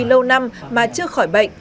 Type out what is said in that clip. lâu năm mà chưa khỏi bệnh